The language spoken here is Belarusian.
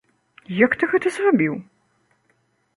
Як ты гэта зрабіў?